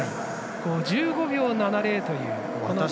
５５秒７０という。